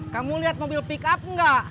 kamu lihat mobil pick up enggak